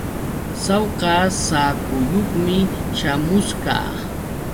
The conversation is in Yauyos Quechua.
Sawka saakuyuqmi śhamusqa.